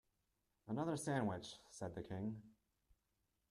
‘Another sandwich!’ said the King.